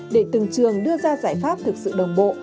để từng trường đưa ra giải pháp thực sự đồng bộ